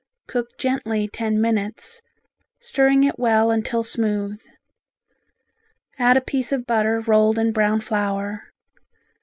Cook gently ten minutes, stirring it well until smooth. Add a piece of butter rolled in brown flour.